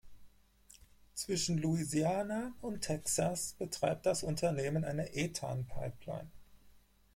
Zwischen Louisiana und Texas betreibt das Unternehmen eine Ethan-Pipeline.